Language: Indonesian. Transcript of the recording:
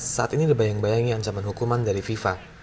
saat ini dibayang bayangi ancaman hukuman dari fifa